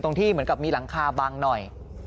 ที่เหมือนกับมีหลังคาบังหน่อย